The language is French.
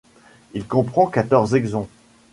Il comprend quatorze exons.